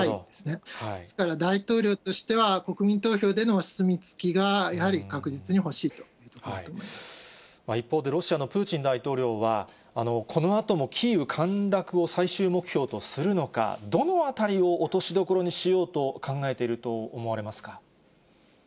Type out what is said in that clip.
ですから、大統領としては国民投票でのお墨付きがやはり確実に欲しいという一方で、ロシアのプーチン大統領は、このあともキーウ陥落を最終目標とするのか、どのあたりを落としどころにしようと考えていると思われますか？